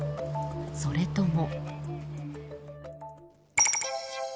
それとも。